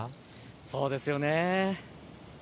そうですよね。